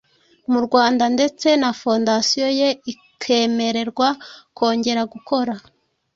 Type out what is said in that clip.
mu Rwanda ndetse na 'Fondasiyo ye ikemererwa kongera gukora.